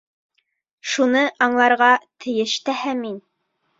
Шуны аңларға тейеш тәһә мин.